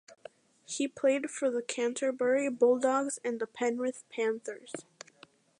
He played for the Canterbury Bulldogs and the Penrith Panthers.